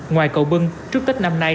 ngoài cầu bưng trước tết năm nay